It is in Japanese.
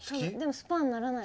スパンならない？